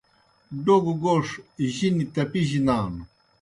ڈوگوْ گوݜ جِنیْ تپِجیْ نانوْ۔